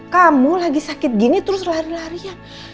kamu lagi sakit gini terus lari lari ya